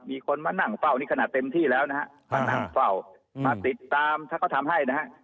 มีคนมานั่งเฝ้านี่ขนาดเต็มที่แล้วนะฮะมานั่งเฝ้ามาติดตามถ้าเขาทำให้นะฮะ